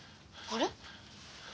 あれ？